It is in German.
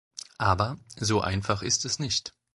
Aber, so einfach ist es nicht.